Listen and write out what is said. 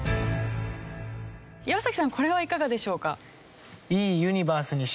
岩さんこれはいかがでしょうか？